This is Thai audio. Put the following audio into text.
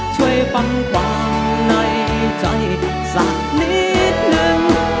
ช่วยฟังความในใจสักนิดนึง